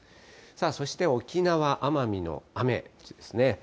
そして沖縄・奄美の雨ですね。